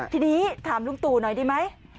ทีนี้ถามลุงตู่หน่อยดีไหม